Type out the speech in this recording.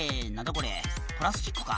これプラスチックか？」